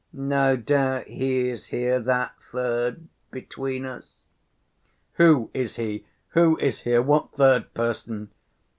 No doubt he is here, that third, between us." "Who is he? Who is here? What third person?"